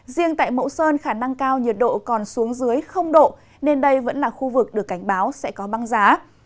riêng tại mẫu sơn khả năng cao nhiệt độ còn xuống dưới độ nên đây vẫn là khu vực được cảnh báo sẽ có băng giá